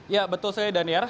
ya betul saya dhaniar